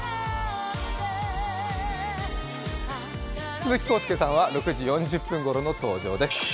鈴木浩介さんは６時４０分ごろの登場です。